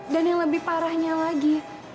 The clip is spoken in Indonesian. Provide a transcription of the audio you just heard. dan yang lebih parahnya lagi